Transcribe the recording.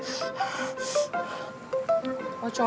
kesian gue ngeliatnya